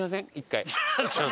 １回。